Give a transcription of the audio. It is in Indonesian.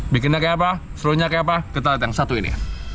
bikinnya kayak apa serunya kayak apa kita lihat yang satu ini